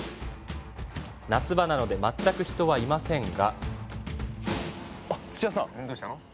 夏場なので全く人はいませんが。